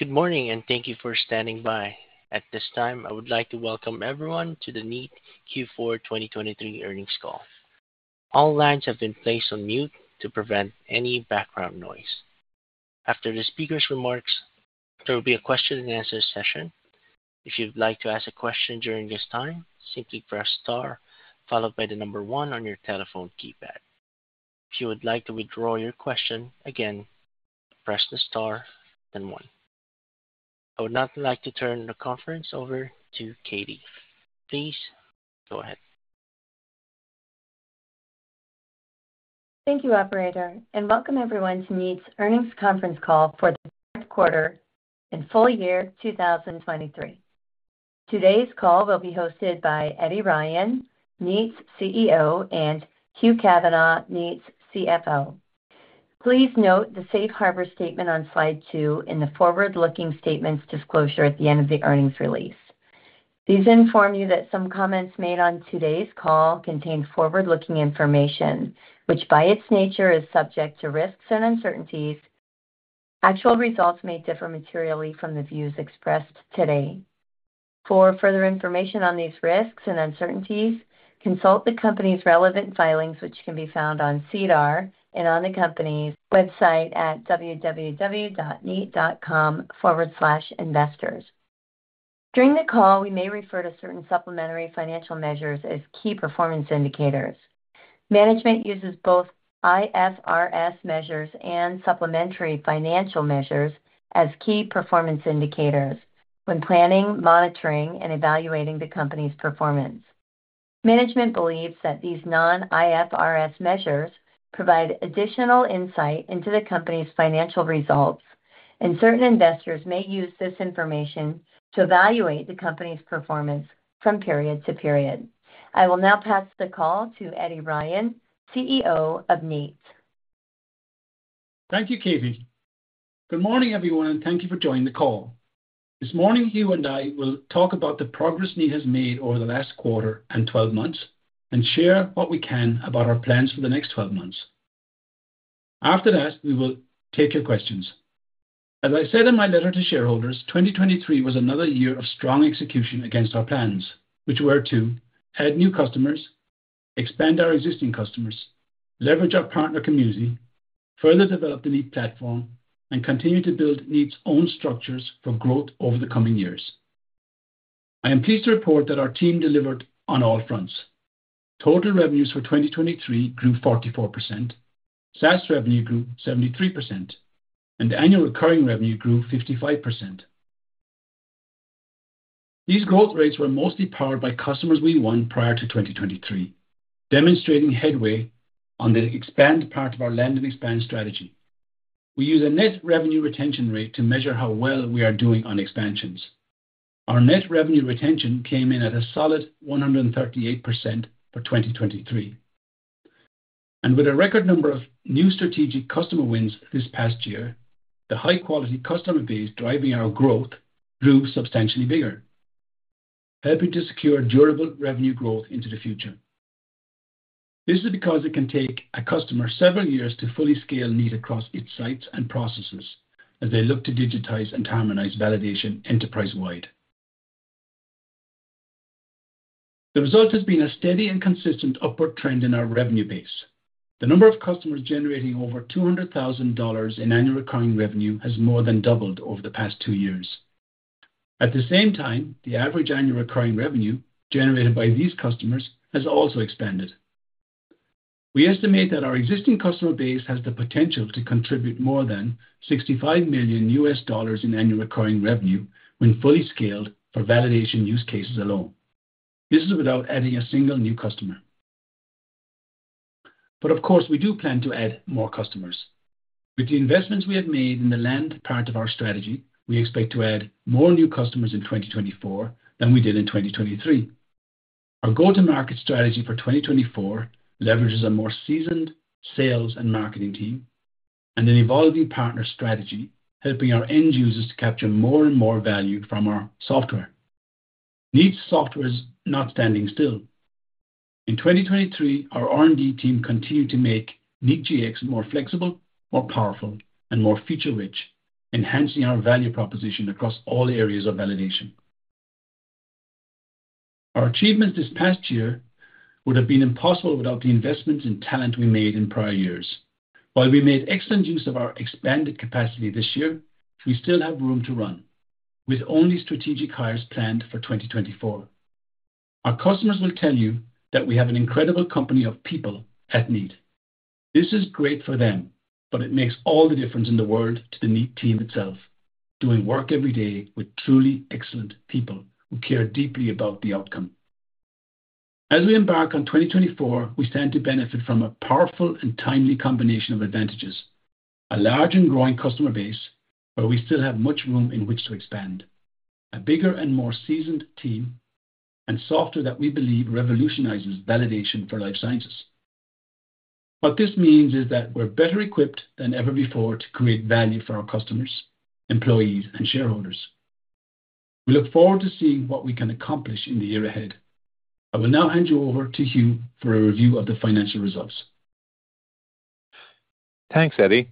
Good morning and thank you for standing by. At this time, I would like to welcome everyone to the Kneat Q4 2023 earnings call. All lines have been placed on mute to prevent any background noise. After the speaker's remarks, there will be a question-and-answer session. If you'd like to ask a question during this time, simply press Star followed by the number one on your telephone keypad. If you would like to withdraw your question, again, press the Star then one. I would now like to turn the conference over to Katie. Please go ahead. Thank you, operator, and welcome everyone to Kneat's earnings conference call for the fourth quarter and full-year 2023. Today's call will be hosted by Eddie Ryan, Kneat's CEO, and Hugh Kavanagh, Kneat's CFO. Please note the Safe Harbor statement on Slide 2 in the forward-looking statements disclosure at the end of the earnings release. These inform you that some comments made on today's call contain forward-looking information, which by its nature is subject to risks and uncertainties. Actual results may differ materially from the views expressed today. For further information on these risks and uncertainties, consult the company's relevant filings, which can be found on SEDAR and on the company's website at www.kneat.com/investors. During the call, we may refer to certain supplementary financial measures as key performance indicators. Management uses both IFRS measures and supplementary financial measures as key performance indicators when planning, monitoring, and evaluating the company's performance. Management believes that these non-IFRS measures provide additional insight into the company's financial results, and certain investors may use this information to evaluate the company's performance from period to period. I will now pass the call to Eddie Ryan, CEO of Kneat. Thank you, Katie. Good morning, everyone, and thank you for joining the call. This morning, Hugh and I will talk about the progress Kneat has made over the last quarter and 12 months and share what we can about our plans for the next 12 months. After that, we will take your questions. As I said in my letter to shareholders, 2023 was another year of strong execution against our plans, which were to add new customers, expand our existing customers, leverage our partner community, further develop the Kneat platform, and continue to build Kneat's own structures for growth over the coming years. I am pleased to report that our team delivered on all fronts. Total revenues for 2023 grew 44%, SaaS revenue grew 73%, and annual recurring revenue grew 55%. These growth rates were mostly powered by customers we won prior to 2023, demonstrating headway on the expand part of our land and expand strategy. We use a net revenue retention rate to measure how well we are doing on expansions. Our net revenue retention came in at a solid 138% for 2023. With a record number of new strategic customer wins this past year, the high-quality customer base driving our growth grew substantially bigger, helping to secure durable revenue growth into the future. This is because it can take a customer several years to fully scale Kneat across its sites and processes as they look to digitize and harmonize validation enterprise-wide. The result has been a steady and consistent upward trend in our revenue base. The number of customers generating over 200,000 dollars in annual recurring revenue has more than doubled over the past two years. At the same time, the average annual recurring revenue generated by these customers has also expanded. We estimate that our existing customer base has the potential to contribute more than CAD 65 million in annual recurring revenue when fully scaled for validation use cases alone. This is without adding a single new customer. But of course, we do plan to add more customers. With the investments we have made in the land part of our strategy, we expect to add more new customers in 2024 than we did in 2023. Our go-to-market strategy for 2024 leverages a more seasoned sales and marketing team and an evolving partner strategy, helping our end users to capture more and more value from our software. Kneat's software is not standing still. In 2023, our R&D team continued to make Kneat Gx more flexible, more powerful, and more feature-rich, enhancing our value proposition across all areas of validation. Our achievements this past year would have been impossible without the investments in talent we made in prior years. While we made excellent use of our expanded capacity this year, we still have room to run, with only strategic hires planned for 2024. Our customers will tell you that we have an incredible company of people at Kneat. This is great for them, but it makes all the difference in the world to the Kneat team itself, doing work every day with truly excellent people who care deeply about the outcome. As we embark on 2024, we stand to benefit from a powerful and timely combination of advantages: a large and growing customer base where we still have much room in which to expand, a bigger and more seasoned team, and software that we believe revolutionizes validation for life sciences. What this means is that we're better equipped than ever before to create value for our customers, employees, and shareholders. We look forward to seeing what we can accomplish in the year ahead. I will now hand you over to Hugh for a review of the financial results. Thanks, Eddie.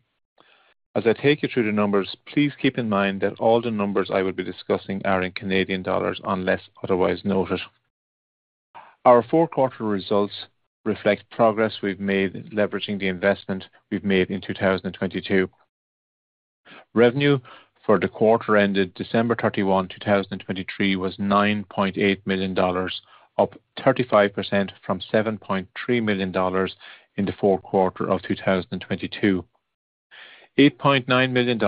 As I take you through the numbers, please keep in mind that all the numbers I will be discussing are in Canadian dollars unless otherwise noted. Our four-quarter results reflect progress we've made leveraging the investment we've made in 2022. Revenue for the quarter ended December 31, 2023, was CAD 9.8 million, up 35% from CAD 7.3 million in the fourth quarter of 2022. CAD 8.9 million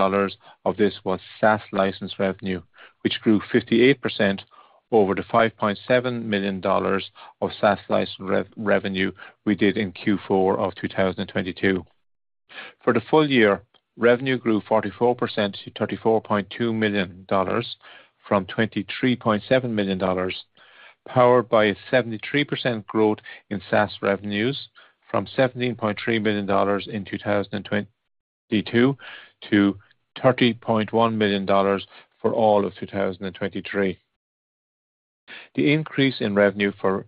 of this was SaaS license revenue, which grew 58% over the CAD 5.7 million of SaaS license revenue we did in Q4 of 2022. For the full year, revenue grew 44% to 34.2 million dollars from 23.7 million dollars, powered by a 73% growth in SaaS revenues from 17.3 million dollars in 2022 to 30.1 million dollars for all of 2023. The increase in revenue for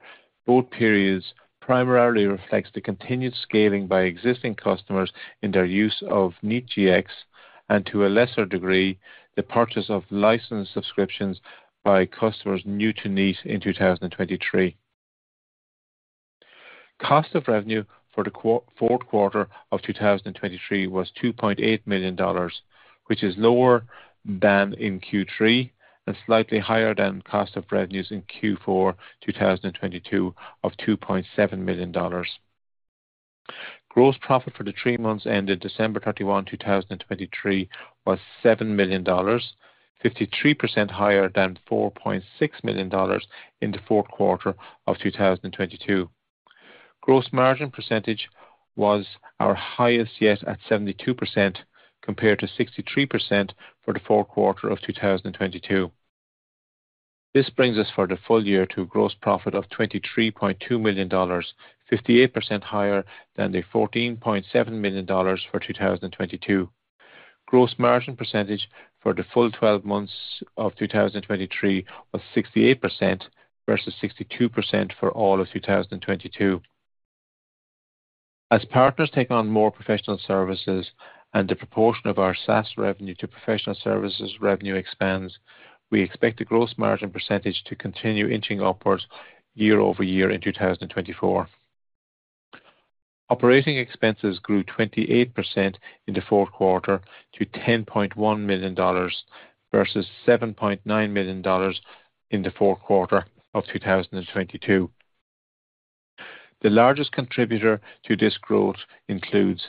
both periods primarily reflects the continued scaling by existing customers in their use of Kneat Gx and, to a lesser degree, the purchase of license subscriptions by customers new to Kneat in 2023. Cost of revenue for the fourth quarter of 2023 was 2.8 million dollars, which is lower than in Q3 and slightly higher than cost of revenues in Q4 2022 of 2.7 million dollars. Gross profit for the three months ended December 31, 2023, was 7 million dollars, 53% higher than 4.6 million dollars in the fourth quarter of 2022. Gross margin percentage was our highest yet at 72% compared to 63% for the fourth quarter of 2022. This brings us for the full-year to a gross profit of 23.2 million dollars, 58% higher than the 14.7 million dollars for 2022. Gross margin percentage for the full 12 months of 2023 was 68% versus 62% for all of 2022. As partners take on more professional services and the proportion of our SaaS revenue to professional services revenue expands, we expect the gross margin percentage to continue inching upwards year-over-year in 2024. Operating expenses grew 28% in the fourth quarter to 10.1 million dollars versus 7.9 million dollars in the fourth quarter of 2022. The largest contributor to this growth includes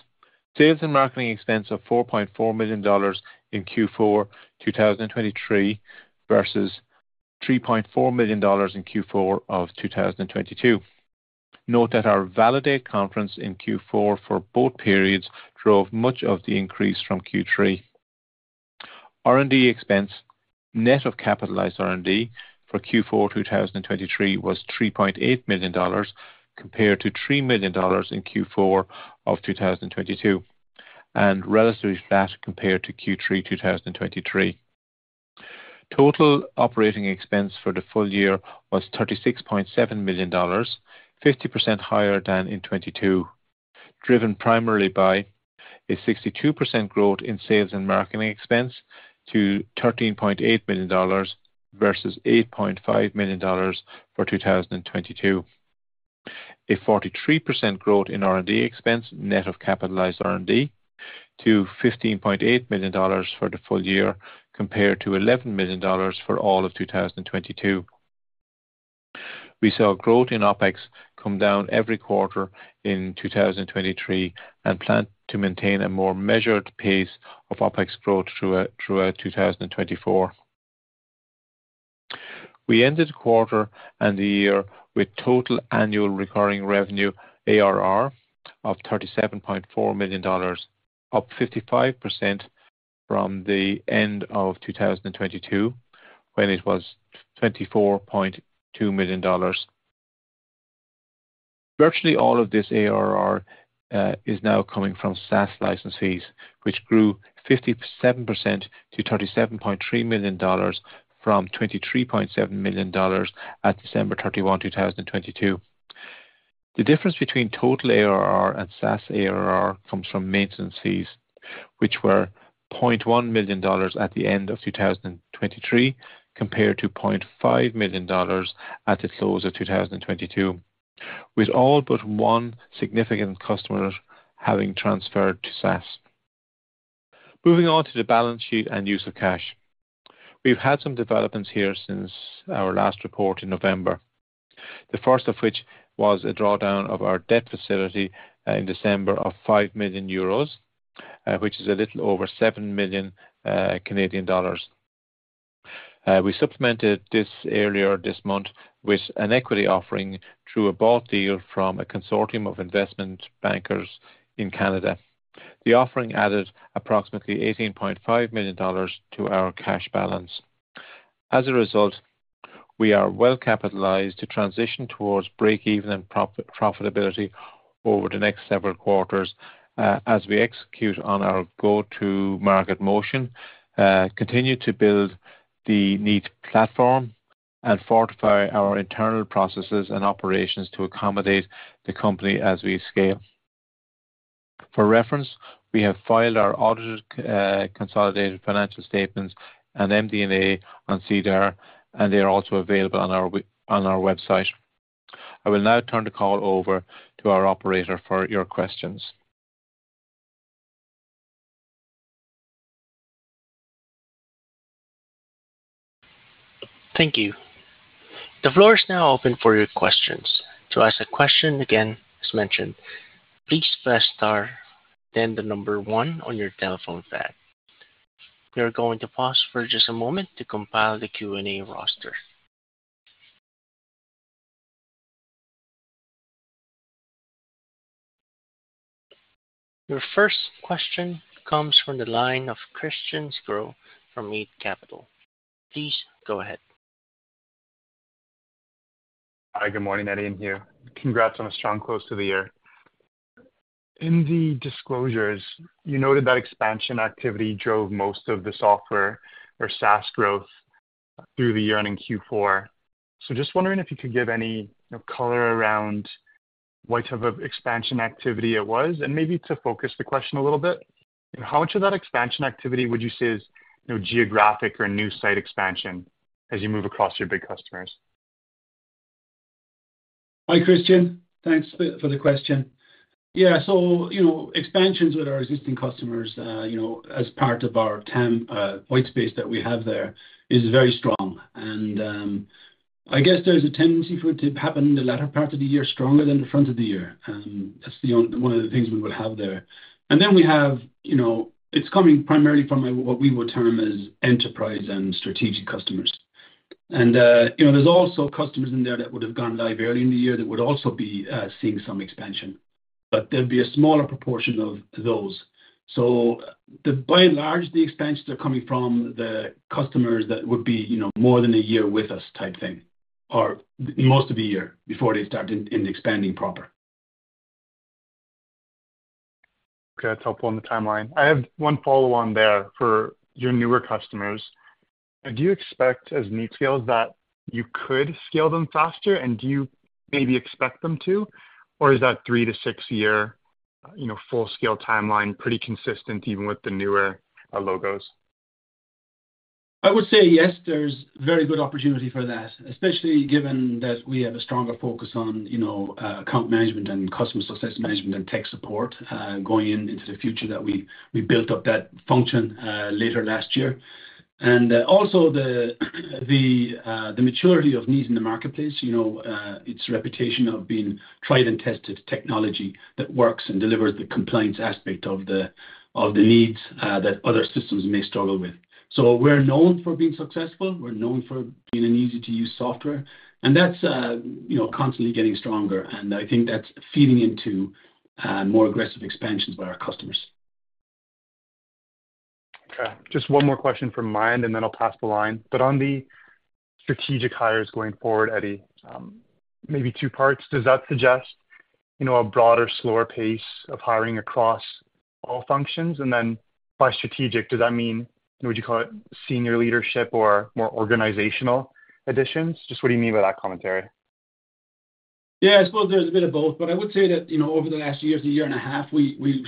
sales and marketing expense of 4.4 million dollars in Q4 2023 versus 3.4 million dollars in Q4 of 2022. Note that our VALIDATE conference in Q4 for both periods drove much of the increase from Q3. R&D expense, net of capitalized R&D for Q4 2023, was 3.8 million dollars compared to 3 million dollars in Q4 of 2022 and relative to that compared to Q3 2023. Total operating expense for the full-year was 36.7 million dollars, 50% higher than in 2022, driven primarily by a 62% growth in sales and marketing expense to 13.8 million dollars versus 8.5 million dollars for 2022, a 43% growth in R&D expense net of capitalized R&D to 15.8 million dollars for the full year compared to 11 million dollars for all of 2022. We saw growth in OpEx come down every quarter in 2023 and plan to maintain a more measured pace of OpEx growth throughout 2024. We ended the quarter and the year with total annual recurring revenue ARR of 37.4 million dollars, up 55% from the end of 2022 when it was 24.2 million dollars. Virtually all of this ARR is now coming from SaaS license fees, which grew 57% to 37.3 million dollars from 23.7 million dollars at December 31, 2022. The difference between total ARR and SaaS ARR comes from maintenance fees, which were 0.1 million dollars at the end of 2023 compared to 0.5 million dollars at the close of 2022, with all but one significant customer having transferred to SaaS. Moving on to the balance sheet and use of cash. We've had some developments here since our last report in November, the first of which was a drawdown of our debt facility in December of 5 million euros, which is a little over 7 million Canadian dollars. We supplemented this earlier this month with an equity offering through a bought deal from a consortium of investment bankers in Canada. The offering added approximately 18.5 million dollars to our cash balance. As a result, we are well capitalized to transition towards break-even and profitability over the next several quarters as we execute on our go-to-market motion, continue to build the Kneat platform, and fortify our internal processes and operations to accomodate the company as we scale. For reference, we have filed our audited consolidated financial statements and MD&A on SEDAR, and they are also available on our website. I will now turn the call over to our operator for your questions. Thank you. The floor is now open for your questions. To ask a question again, as mentioned, please press Star, then the number one on your telephone pad. We are going to pause for just a moment to compile the Q&A roster. Your first question comes from the line of Christian Sgro from Eight Capital. Please go ahead. Hi. Good morning, Eddie and Hugh. Congrats on a strong close to the year. In the disclosures, you noted that expansion activity drove most of the software or SaaS growth through the year ending Q4. So just wondering if you could give any color around what type of expansion activity it was and maybe to focus the question a little bit. How much of that expansion activity would you say is geographic or new site expansion as you move across your big customers? Hi, Christian. Thanks for the question. Yeah. So expansions with our existing customers as part of our white space that we have there is very strong. And I guess there's a tendency for it to happen in the latter part of the year stronger than the front of the year. That's one of the things we would have there. And then we have it's coming primarily from what we would term as enterprise and strategic customers. And there's also customers in there that would have gone live early in the year that would also be seeing some expansion. But there'd be a smaller proportion of those. So by and large, the expansions are coming from the customers that would be more than a year with us type thing or most of the year before they started expanding proper. Okay. That's helpful on the timeline. I have one follow-on there for your newer customers. Do you expect, as Kneat scales, that you could scale them faster? And do you maybe expect them to? Or is that 3-year 6-year full-scale timeline pretty consistent even with the newer logos? I would say yes, there's very good opportunity for that, especially given that we have a stronger focus on account management and customer success management and tech support going into the future that we built up that function later last year. Also, the maturity of Kneat in the marketplace, its reputation of being tried and tested technology that works and delivers the compliance aspect of the needs that other systems may struggle with. We're known for being successful. We're known for being an easy-to-use software. That's constantly getting stronger. I think that's feeding into more aggressive expansions by our customers. Okay. Just one more question from me, and then I'll pass the line. But on the strategic hires going forward, Eddie, maybe two parts. Does that suggest a broader, slower pace of hiring across all functions? And then by strategic, does that mean would you call it senior leadership or more organizational additions? Just what do you mean by that commentary? Yeah. I suppose there's a bit of both. But I would say that over the last year, the year and a half, we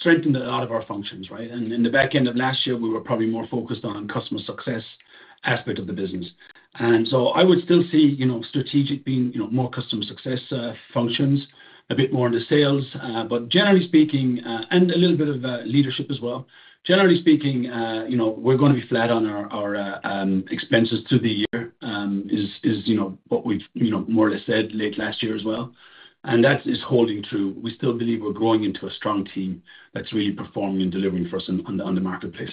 strengthened a lot of our functions, right? And in the back end of last year, we were probably more focused on the customer success aspect of the business. And so I would still see strategic being more customer success functions, a bit more into sales, but generally speaking, and a little bit of leadership as well. Generally speaking, we're going to be flat on our expenses through the year is what we've more or less said late last year as well. And that is holding true. We still believe we're growing into a strong team that's really performing and delivering for us on the marketplace.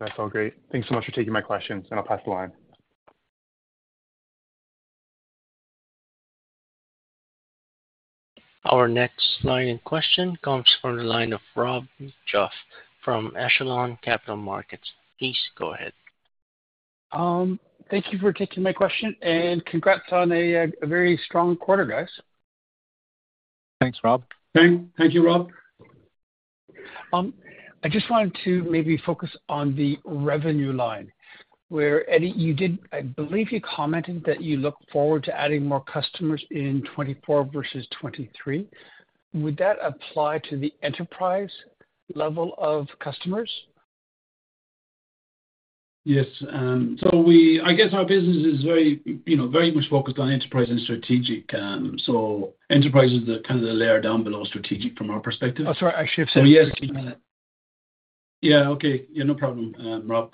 That's all great. Thanks so much for taking my questions, and I'll pass the line. Our next line in question comes from the line of Rob Goff from Echelon Capital Markets. Please go ahead. Thank you for taking my question. Congrats on a very strong quarter, guys. Thanks, Rob. Thank you, Rob. I just wanted to maybe focus on the revenue line. Eddie, I believe you commented that you look forward to adding more customers in 2024 versus 2023. Would that apply to the enterprise level of customers? Yes. So I guess our business is very much focused on enterprise and strategic. So enterprise is kind of the layer down below strategic from our perspective. Oh, sorry. I should have said. So yes. Keep going. Yeah. Okay. Yeah. No problem, Rob.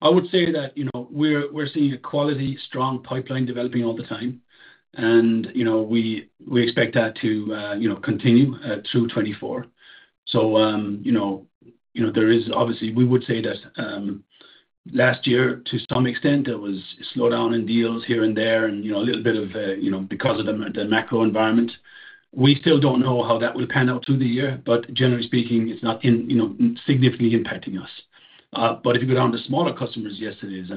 I would say that we're seeing a quality strong pipeline developing all the time. We expect that to continue through 2024. So there is obviously, we would say that last year, to some extent, there was a slowdown in deals here and there and a little bit because of the macro environment. We still don't know how that will pan out through the year. But generally speaking, it's not significantly impacting us. But if you go down to smaller customers, yes, it is.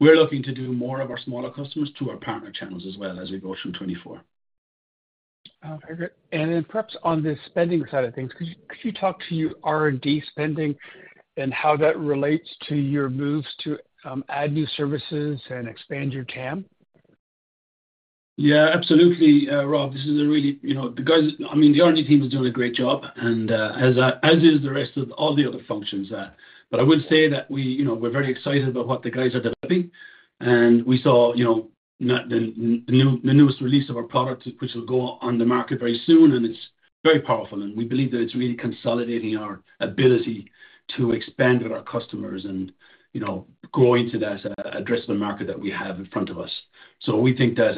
We're looking to do more of our smaller customers through our partner channels as well as we go through 2024. Okay. Great. And then perhaps on the spending side of things, could you talk to your R&D spending and how that relates to your moves to add new services and expand your TAM? Yeah. Absolutely, Rob. This is really the guys, I mean, the R&D team is doing a great job, as is the rest of all the other functions there. But I would say that we're very excited about what the guys are developing. And we saw the newest release of our product, which will go on the market very soon, and it's very powerful. And we believe that it's really consolidating our ability to expand with our customers and grow into that addressable market that we have in front of us. So we think that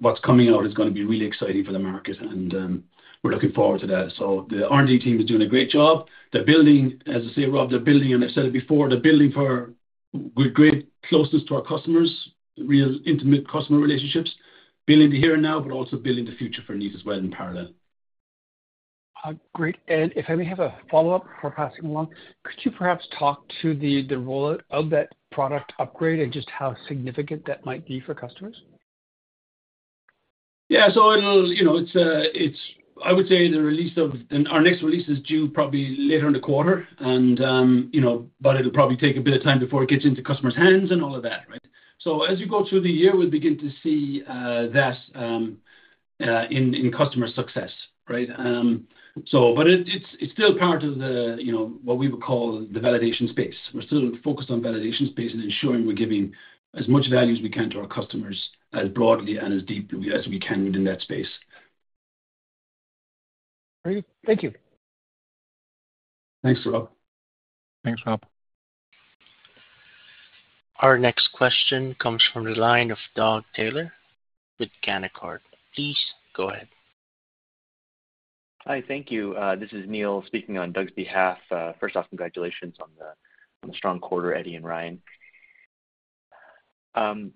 what's coming out is going to be really exciting for the market, and we're looking forward to that. So the R&D team is doing a great job. They're building, as I say, Rob, they're building, and I've said it before, they're building for great closeness to our customers, real intimate customer relationships, building to here and now, but also building the future for Kneat as well in parallel. Great. If I may have a follow-up before passing along, could you perhaps talk to the rollout of that product upgrade and just how significant that might be for customers? Yeah. So, it's, I would say the release of our next release is due probably later in the quarter, but it'll probably take a bit of time before it gets into customers' hands and all of that, right? So as you go through the year, we'll begin to see that in customer success, right? But it's still part of what we would call the validation space. We're still focused on validation space and ensuring we're giving as much value as we can to our customers as broadly and as deeply as we can within that space. Great. Thank you. Thanks, Rob. Thanks, Rob. Our next question comes from the line of Doug Taylor with Canaccord. Please go ahead. Hi. Thank you. This is Neil speaking on Doug's behalf. First off, congratulations on the strong quarter, Eddie Ryan. The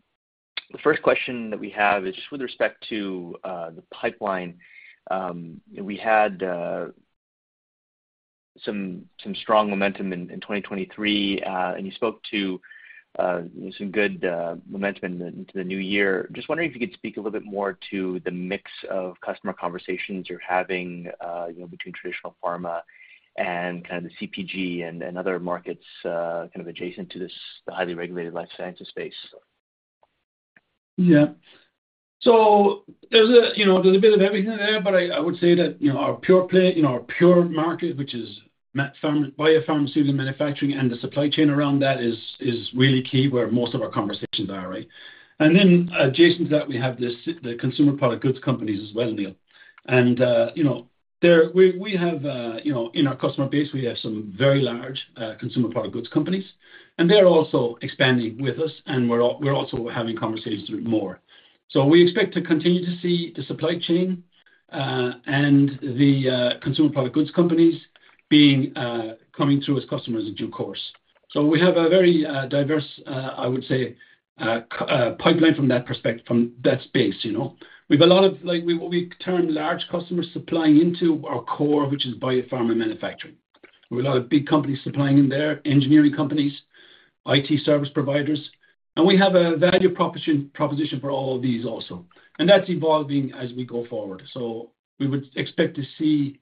first question that we have is just with respect to the pipeline. We had some strong momentum in 2023, and you spoke to some good momentum into the new year. Just wondering if you could speak a little bit more to the mix of customer conversations you're having between traditional pharma and kind of the CPG and other markets kind of adjacent to the highly regulated life sciences space. Yeah. So there's a bit of everything there, but I would say that our pure market, which is bio-pharmaceutical manufacturing and the supply chain around that, is really key where most of our conversations are, right? And then adjacent to that, we have the consumer product goods companies as well, Neil. And we have in our customer base, we have some very large consumer product goods companies. And they're also expanding with us, and we're also having conversations about more. So we expect to continue to see the supply chain and the consumer product goods companies coming through as customers in due course. So we have a very diverse, I would say, pipeline from that space. We have a lot of what we term large customers supplying into our core, which is bio-pharma manufacturing. We have a lot of big companies supplying in there, engineering companies, IT service providers. We have a value proposition for all of these also. That's evolving as we go forward. We would expect to see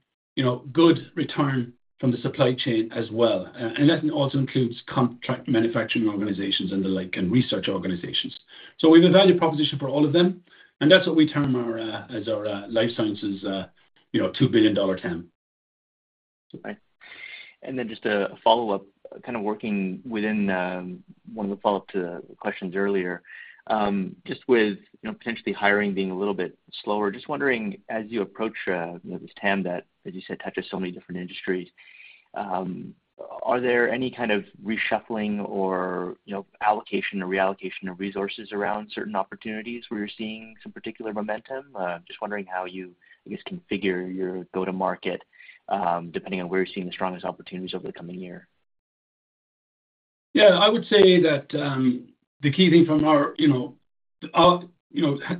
good return from the supply chain as well. That also includes contract manufacturing organizations and the like and research organizations. We have a value proposition for all of them. That's what we term as our Life Sciences $2 billion TAM. Okay. Then just a follow-up, kind of working within one of the follow-up to the questions earlier, just with potentially hiring being a little bit slower, just wondering, as you approach this TAM that, as you said, touches so many different industries, are there any kind of reshuffling or allocation or reallocation of resources around certain opportunities where you're seeing some particular momentum? Just wondering how you, I guess, configure your go-to-market depending on where you're seeing the strongest opportunities over the coming year. Yeah. I would say that the key thing from our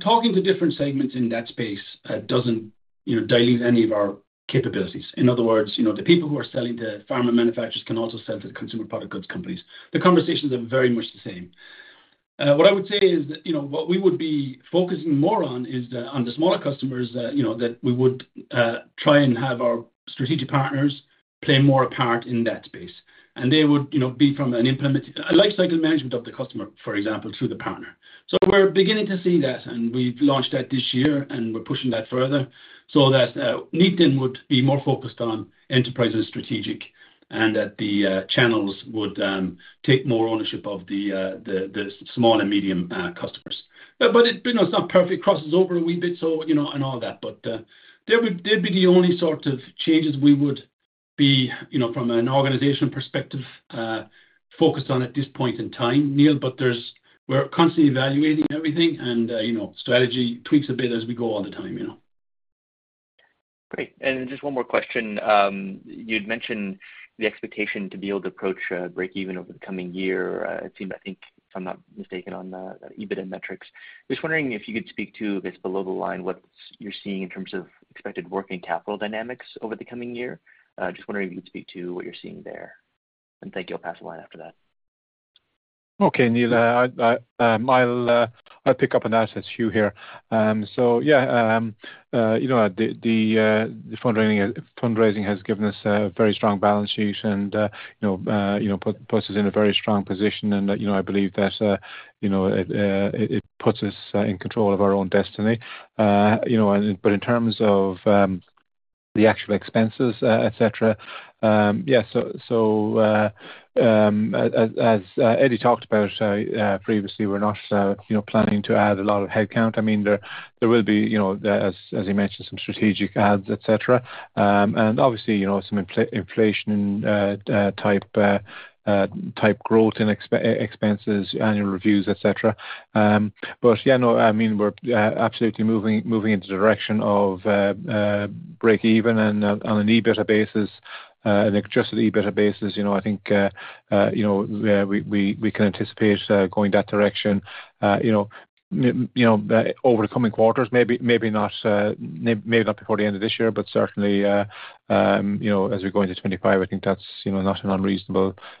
talking to different segments in that space doesn't dilute any of our capabilities. In other words, the people who are selling to pharma manufacturers can also sell to the consumer product goods companies. The conversations are very much the same. What I would say is that what we would be focusing more on is on the smaller customers that we would try and have our strategic partners play more a part in that space. And they would be from a lifecycle management of the customer, for example, through the partner. So we're beginning to see that. And we've launched that this year, and we're pushing that further so that Kneat then would be more focused on enterprise and strategic and that the channels would take more ownership of the small and medium customers. But it's not perfect. Crosses over a wee bit and all that. They'd be the only sort of changes we would be from an organizational perspective focused on at this point in time, Neil. We're constantly evaluating everything. Strategy tweaks a bit as we go all the time. Great. And just one more question. You'd mentioned the expectation to be able to approach break-even over the coming year. It seemed, I think, if I'm not mistaken on EBITDA metrics. Just wondering if you could speak to, I guess, below the line, what you're seeing in terms of expected working capital dynamics over the coming year. Just wondering if you could speak to what you're seeing there. And thank you. I'll pass the line after that. Okay, Neil. I'll pick up from Hugh here. So yeah, the fundraising has given us a very strong balance sheet and puts us in a very strong position. And I believe that it puts us in control of our own destiny. But in terms of the actual expenses, etc., yeah, so as Eddie talked about previously, we're not planning to add a lot of headcount. I mean, there will be, as he mentioned, some strategic ads, etc., and obviously, some inflation-type growth in expenses, annual reviews, etc. But yeah, no, I mean, we're absolutely moving in the direction of break-even on an EBITDA basis. And just on EBITDA basis, I think we can anticipate going that direction over the coming quarters, maybe not before the end of this year, but certainly as we go into 2025, I think that's not an unreasonable expectation. Great. Thank you.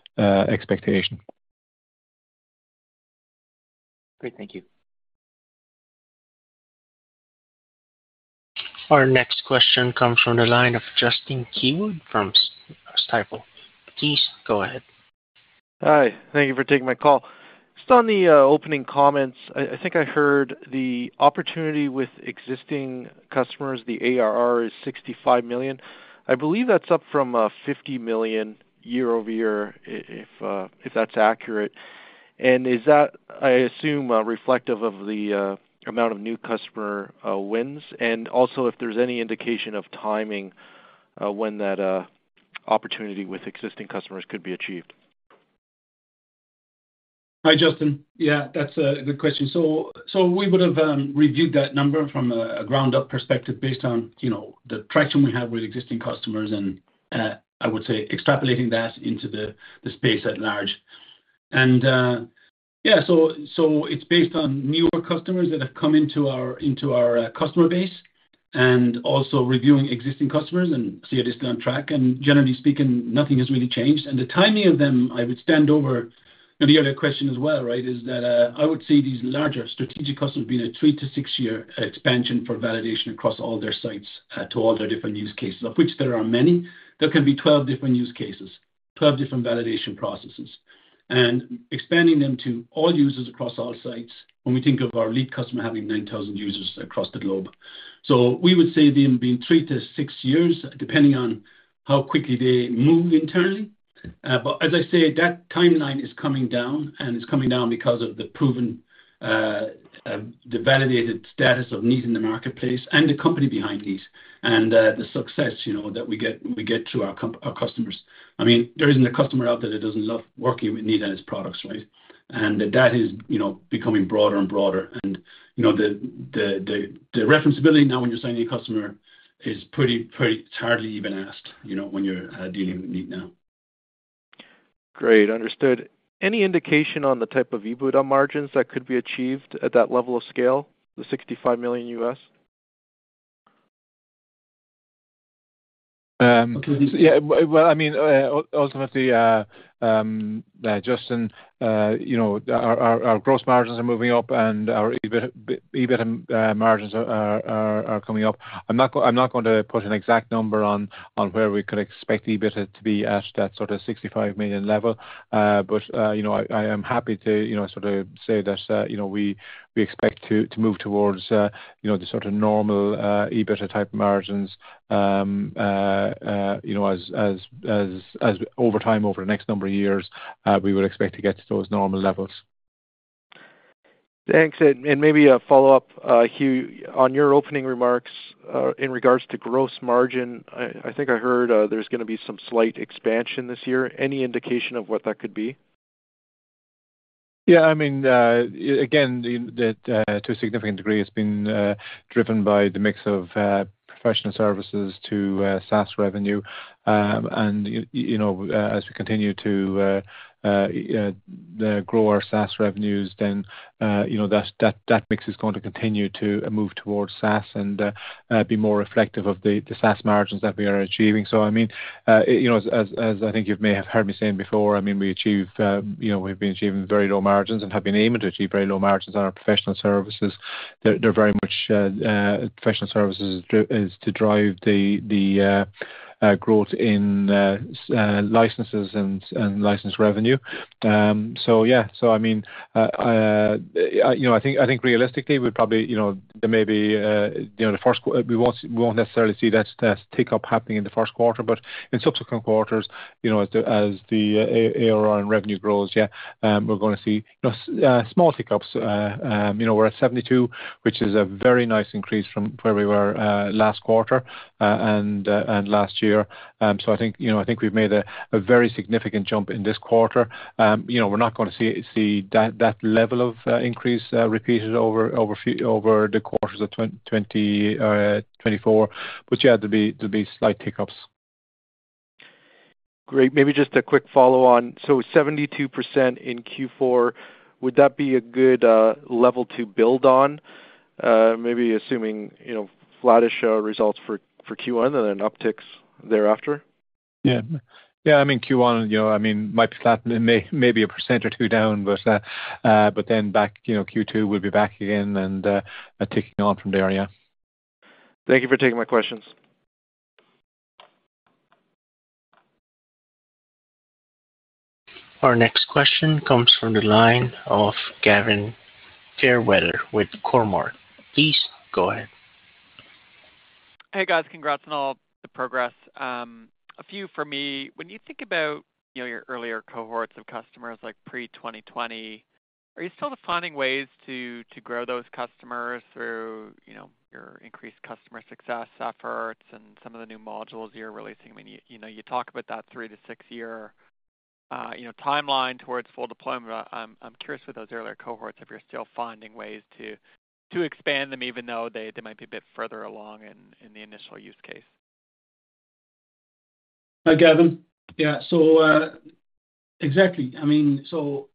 Our next question comes from the line of Justin Keywood from Stifel. Please go ahead. Hi. Thank you for taking my call. Just on the opening comments, I think I heard the opportunity with existing customers, the ARR is 65 million. I believe that's up from 50 million year-over-year, if that's accurate. And is that, I assume, reflective of the amount of new customer wins and also if there's any indication of timing when that opportunity with existing customers could be achieved? Hi, Justin. Yeah. That's a good question. So we would have reviewed that number from a ground-up perspective based on the traction we have with existing customers and, I would say, extrapolating that into the space at large. And yeah, so it's based on newer customers that have come into our customer base and also reviewing existing customers and seeing if they're still on track. And generally speaking, nothing has really changed. And the timing of them, I would stand over the earlier question as well, right, is that I would see these larger strategic customers being a 3- year to 6-year expansion for validation across all their sites to all their different use cases, of which there are many. There can be 12 different use cases, 12 different validation processes, and expanding them to all users across all sites when we think of our lead customer having 9,000 users across the globe. So we would say them being 3-6 years depending on how quickly they move internally. But as I say, that timeline is coming down, and it's coming down because of the validated status of Kneat in the marketplace and the company behind Kneat and the success that we get through our customers. I mean, there isn't a customer out there that doesn't love working with Kneat and its products, right? And that is becoming broader and broader. And the referenceability now when you're signing a customer is hardly even asked when you're dealing with Kneat now. Great. Understood. Any indication on the type of EBITDA margins that could be achieved at that level of scale, the $65 million? Yeah. Well, I mean, also with the Justin, our gross margins are moving up, and our EBITDA margins are coming up. I'm not going to put an exact number on where we could expect EBITDA to be at that sort of 65 million level. But I am happy to sort of say that we expect to move towards the sort of normal EBITDA-type margins as over time over the next number of years, we would expect to get to those normal levels. Thanks. And maybe a follow-up, Hugh, on your opening remarks in regards to gross margin. I think I heard there's going to be some slight expansion this year. Any indication of what that could be? Yeah. I mean, again, to a significant degree, it's been driven by the mix of professional services to SaaS revenue. As we continue to grow our SaaS revenues, then that mix is going to continue to move towards SaaS and be more reflective of the SaaS margins that we are achieving. So I mean, as I think you may have heard me saying before, I mean, we've been achieving very low margins and have been aiming to achieve very low margins on our professional services. They're very much professional services is to drive the growth in licenses and license revenue. So yeah. So I mean, I think realistically, we probably won't necessarily see that tick-up happening in the first quarter. But in subsequent quarters, as the ARR and revenue grows, yeah, we're going to see small tick-ups. We're at 72, which is a very nice increase from where we were last quarter and last year. So I think we've made a very significant jump in this quarter. We're not going to see that level of increase repeated over the quarters of 2024. But yeah, there'll be slight tick-ups. Great. Maybe just a quick follow-on. So 72% in Q4, would that be a good level to build on, maybe assuming flattish results for Q1 and then upticks thereafter? Yeah. Yeah. I mean, Q1, I mean, might be maybe 1% or 2% down, but then Q2 we'll be back again and ticking on from there, yeah. Thank you for taking my questions. Our next question comes from the line of Gavin Fairweather with Cormark. Please go ahead. Hey, guys. Congrats on all the progress. A few for me. When you think about your earlier cohorts of customers like pre-2020, are you still finding ways to grow those customers through your increased customer success efforts and some of the new modules you're releasing? I mean, you talk about that 3-6-year timeline towards full deployment. I'm curious with those earlier cohorts if you're still finding ways to expand them even though they might be a bit further along in the initial use case. Hi, Gavin. Yeah. So exactly. I mean, so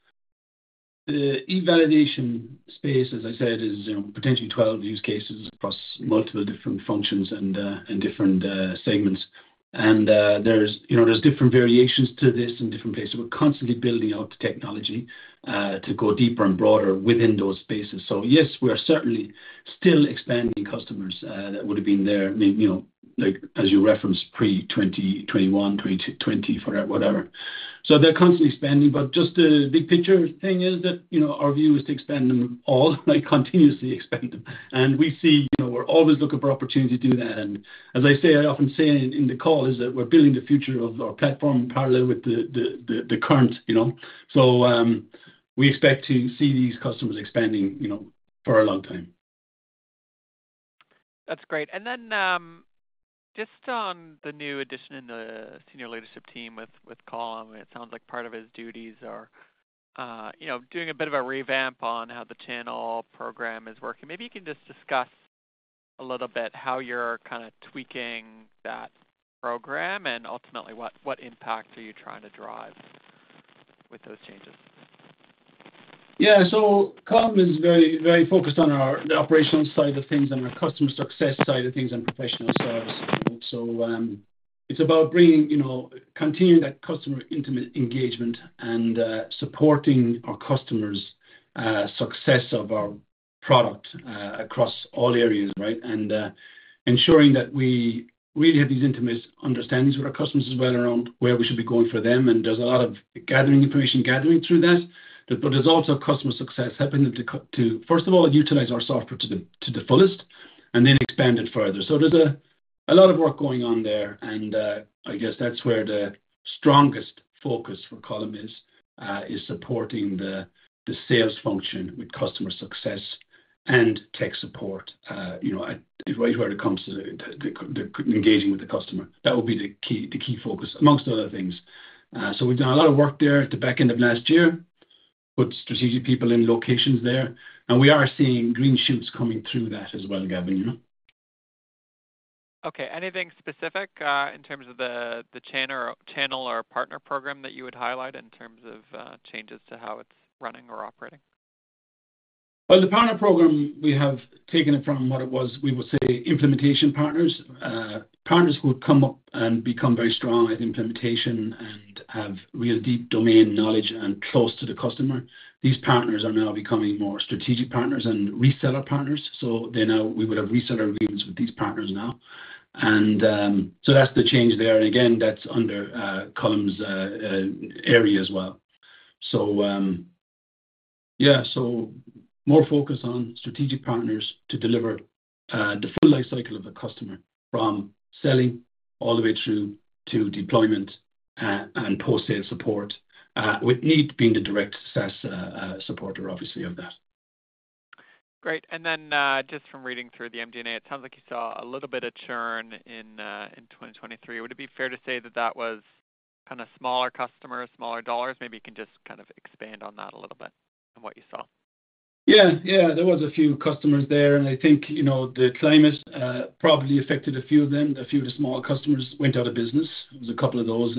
the e-validation space, as I said, is potentially 12 use cases across multiple different functions and different segments. And there's different variations to this in different places. We're constantly building out the technology to go deeper and broader within those spaces. So yes, we are certainly still expanding customers that would have been there, as you referenced, pre-2021, 2020, whatever. So they're constantly expanding. But just the big picture thing is that our view is to expand them all, continuously expand them. And we see we're always looking for opportunity to do that. And as I say, I often say in the call is that we're building the future of our platform parallel with the current. So we expect to see these customers expanding for a long time. That's great. And then just on the new addition in the senior leadership team with Colin, it sounds like part of his duties are doing a bit of a revamp on how the channel program is working. Maybe you can just discuss a little bit how you're kind of tweaking that program and ultimately, what impact are you trying to drive with those changes? Yeah. So Colin is very focused on the operational side of things and our customer success side of things and professional services. So it's about continuing that customer intimate engagement and supporting our customers' success of our product across all areas, right, and ensuring that we really have these intimate understandings with our customers as well around where we should be going for them. And there's a lot of gathering information, gathering through that. But there's also customer success helping them to, first of all, utilize our software to the fullest and then expand it further. So there's a lot of work going on there. And I guess that's where the strongest focus for Colin is, is supporting the sales function with customer success and tech support right where it comes to engaging with the customer. That would be the key focus amongst other things. We've done a lot of work there at the back end of last year, put strategic people in locations there. We are seeing green shoots coming through that as well, Gavin. Okay. Anything specific in terms of the channel or partner program that you would highlight in terms of changes to how it's running or operating? Well, the partner program, we have taken it from what it was, we would say, implementation partners, partners who'd come up and become very strong at implementation and have real deep domain knowledge and close to the customer. These partners are now becoming more strategic partners and reseller partners. So we would have reseller agreements with these partners now. And again, that's under Colin's area as well. So yeah, so more focus on strategic partners to deliver the full life cycle of the customer from selling all the way through to deployment and post-sales support, with Kneat being the direct SaaS supporter, obviously, of that. Great. And then just from reading through the MD&A, it sounds like you saw a little bit of churn in 2023. Would it be fair to say that that was kind of smaller customers, smaller dollars? Maybe you can just kind of expand on that a little bit and what you saw. Yeah. Yeah. There was a few customers there. And I think the climate probably affected a few of them. A few of the smaller customers went out of business. It was a couple of those.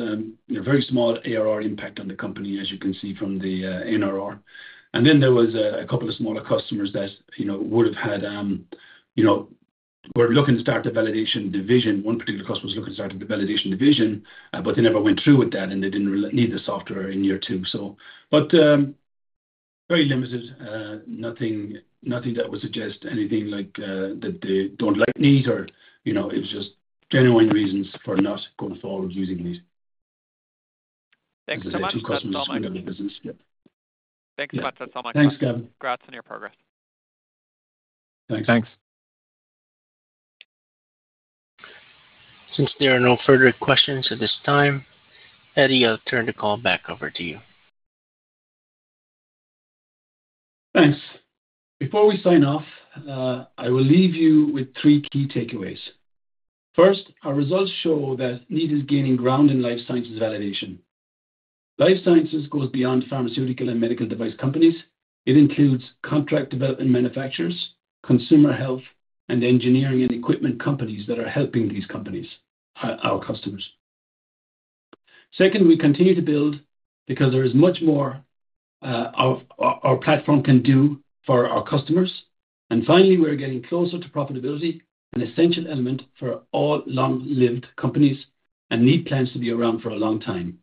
Very small ARR impact on the company, as you can see from the NRR. And then there was a couple of smaller customers that would have had we're looking to start the validation division. One particular customer was looking to start the validation division, but they never went through with that, and they didn't need the software in year two. But very limited, nothing that would suggest anything like that they don't like Kneat or it was just genuine reasons for not going forward using Kneat. Thanks so much. There's been two customers going out of business. Thanks, that. That's all my questions. Thanks, Gavin. Congrats on your progress. Thanks. Thanks. Since there are no further questions at this time, Eddie, I'll turn the call back over to you. Thanks. Before we sign off, I will leave you with three key takeaways. First, our results show that Kneat is gaining ground in life sciences validation. Life sciences goes beyond pharmaceutical and medical device companies. It includes contract development manufacturers, consumer health, and engineering and equipment companies that are helping these companies, our customers. Second, we continue to build because there is much more our platform can do for our customers. Finally, we're getting closer to profitability, an essential element for all long-lived companies, and Kneat plans to be around for a long time.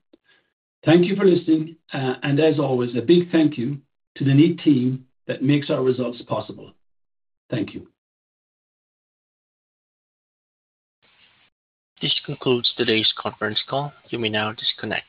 Thank you for listening. As always, a big thank you to the Kneat team that makes our results possible. Thank you. This concludes today's conference call. You may now disconnect.